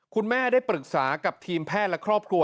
คุณแม่ได้ปรึกษากับทีมแพทย์และครอบครัว